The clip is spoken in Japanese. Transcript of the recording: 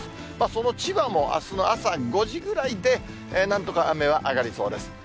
その千葉もあすの朝５時ぐらいで、なんとか雨は上がりそうです。